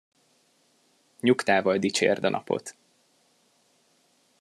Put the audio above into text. Nyugtával dicsérd a napot.